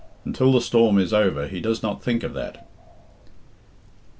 Until the storm is over he does not think of that.